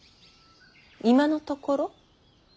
今のところ？